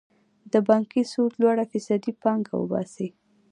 د بانکي سود لوړه فیصدي پانګه وباسي.